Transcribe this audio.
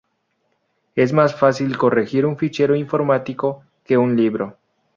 Es más fácil corregir un fichero informático que un libro.